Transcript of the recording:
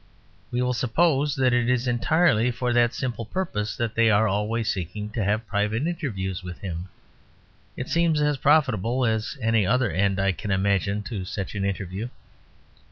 We will suppose that it is entirely for that simple purpose that they are always seeking to have private interviews with him; it seems as profitable as any other end that I can imagine to such an interview.